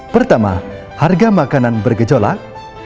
pertama harga makanan bergejolak